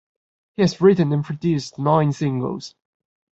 He has written and produced nine singles.